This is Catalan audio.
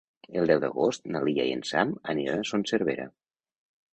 El deu d'agost na Lia i en Sam aniran a Son Servera.